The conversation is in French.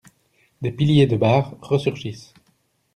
Des piliers de bar resurgissent.